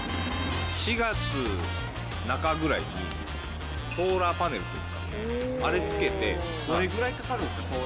４月、中ぐらいにソーラーパネルっていうんですか、どれぐらいかかるんですか？